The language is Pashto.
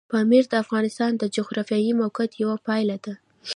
پامیر د افغانستان د جغرافیایي موقیعت یوه پایله ده.